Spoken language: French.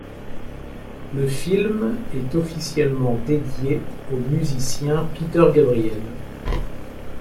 Le film est officiellement dédié au musicien Peter Gabriel.